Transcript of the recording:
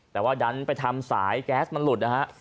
แต่ว่าดันไปทำสายแก๊สมันหลุดนะฮะ